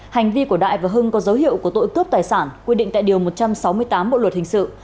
hành vi của đại và hưng có dấu hiệu của tội cướp tài sản quy định tại điều một trăm sáu mươi tám bộ luật hình sự